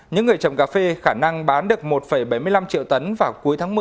những người trồng cà phê khả năng bán được một bảy mươi năm triệu tấn vào cuối tháng một mươi